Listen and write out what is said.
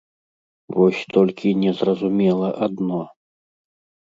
Вось толькі незразумела адно.